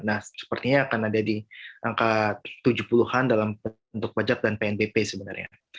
nah sepertinya akan ada di angka tujuh puluh an dalam bentuk pajak dan pnbp sebenarnya